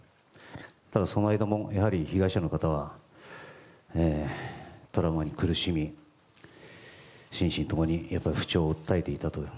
ただ、その間もやはり被害者の方はトラウマに苦しみ心身ともに不調を訴えていたと。